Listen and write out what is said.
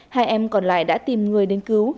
hai em còn lại đã tìm người đến cứu